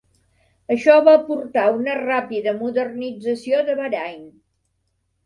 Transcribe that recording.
Això va portar una ràpida modernització de Bahrain.